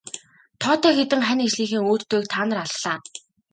Тоотой хэдэн хань ижлийнхээ өөдтэйг та нар аллаа.